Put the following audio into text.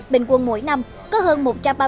bình quân mỗi năm có hơn một trăm linh